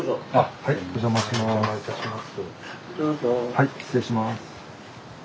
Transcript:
はい失礼します。